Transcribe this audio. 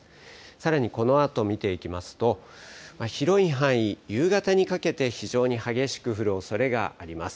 さらにこのあと見ていきますと、広い範囲、夕方にかけて非常に激しく降るおそれがあります。